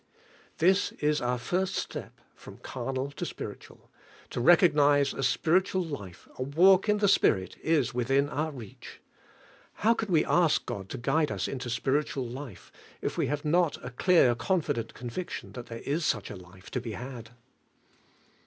This is our first step from carnal to spiritual, — to recognize a spiritual life, a walk in the Spirit, is within our reach. How can we ask God to guide us into spiritual life, if we have not a clear, confident conviction that there is such a life to be had?